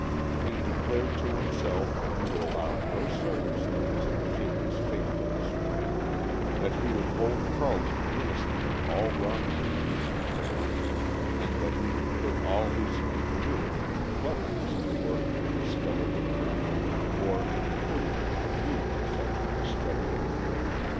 He declared to himself that he would allow no circumstance to shake his faith in his friend, that he would hold Carleton innocent of all wrongdoing in the affair, and that he would put all his ingenuity and cleverness to work to discover the criminal or any clue that might lead to such a discovery.